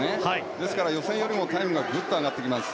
ですから予選よりもタイムがぐっと上がってきます。